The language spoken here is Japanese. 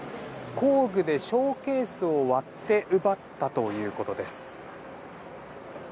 工具でショーケースを割って奪ったということです。